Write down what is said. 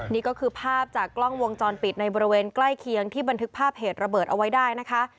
นี่ก็คือภาพจากกล้องวงจรปิดในบริเวณใกล้เคียงที่บันทึกภาพเหตุระเบิดเอาไว้ได้นะคะ